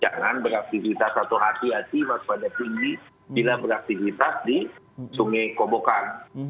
jangan beraktivitas atau hati hati waspada tinggi bila beraktivitas di sungai kobokan